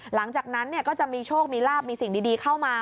หลังจากนั้นก็จะมีโชคมีลาบมีสิ่งดีเข้ามา